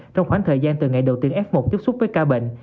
trong khoảng thời gian từ ngày đầu tiên f một tiếp xúc với ca bệnh